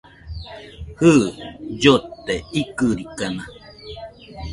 Jɨ, llote ikɨrikana